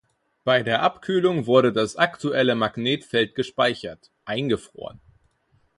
Bei der Abkühlung wurde das aktuelle Magnetfeld gespeichert („eingefroren“).